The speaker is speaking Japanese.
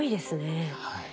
はい。